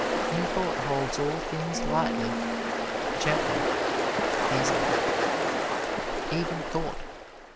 New Thought holds all things lightly, gently, easily even thought.